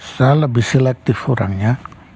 saya lebih selektif orangnya